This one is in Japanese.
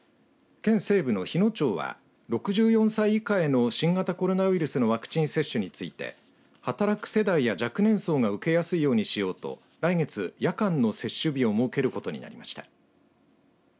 県西部の日野町は６４歳以下への新型コロナウイルスのワクチン接種について働く世代や若年層が受けやすいようにしようと来月、夜間の接種日を設けることになりました。